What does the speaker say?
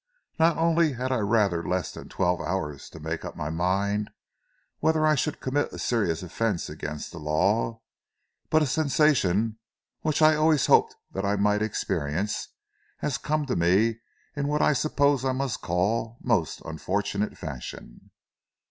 "Not only had I rather less than twelve hours to make up my mind whether I should commit a serious offence against the law, but a sensation which I always hoped that I might experience, has come to me in what I suppose I must call most unfortunate fashion."